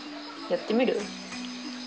やってみるか。